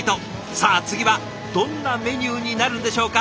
さあ次はどんなメニューになるんでしょうか。